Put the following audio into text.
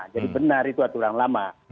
jadi benar itu aturan lama